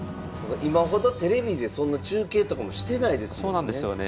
今ほどテレビでそんな中継とかもしてないですもんね。